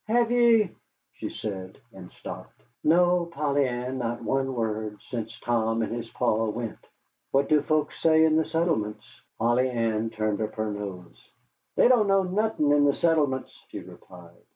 "Have ye ?" she said, and stopped. "No, Polly Ann, not one word sence Tom and his Pa went. What do folks say in the settlements?" Polly Ann turned up her nose. "They don't know nuthin' in the settlements," she replied.